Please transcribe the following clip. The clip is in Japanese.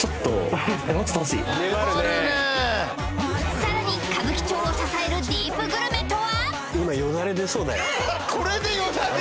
さらに歌舞伎町を支えるディープグルメとは？